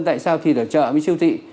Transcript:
tại sao thịt ở chợ với siêu thị